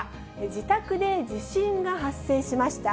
自宅で地震が発生しました。